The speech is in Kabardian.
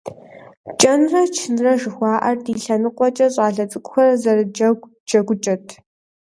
КӀэнрэ чынрэ жыхуаӏэр ди лъэныкъуэкӏэ щӀалэ цӀыкӀухэр зэрыджэгу джэгукӀэт.